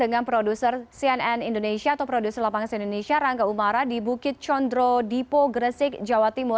dengan produser cnn indonesia rangga umara di bukit condro dipo gresik jawa timur